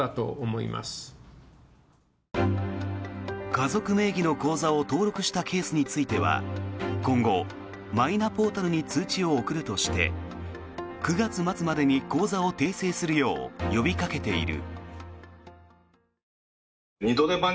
家族名義の口座を登録したケースについては今後、マイナポータルに通知を送るとして９月末までに口座を訂正するよう呼びかけている。